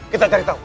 kita cari tahu